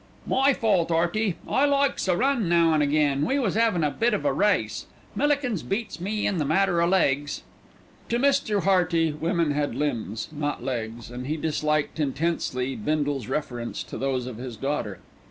"My fault, 'Earty. I likes a run now and again; we was 'avin' a bit of a race. Millikins beats me in the matter o' legs." To Mr. Hearty women had limbs, not legs, and he disliked intensely Bindle's reference to those of his daughter.